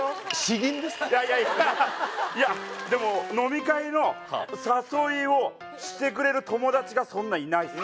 今いやでも飲み会の誘いをしてくれる友達がそんないないっす